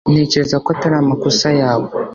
ntekereza ko atari amakosa yawe